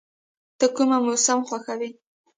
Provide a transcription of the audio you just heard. ته کوم موسم خوښوې؟